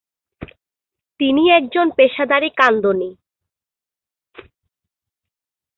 তিনি একজন পেশাদারী কান্দনী।